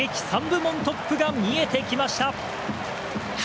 ３部門トップが見えてきました。